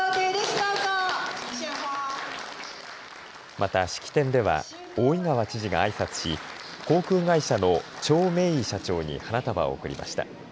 また式典では大井川知事があいさつし、航空会社の張明い社長に花束を贈りました。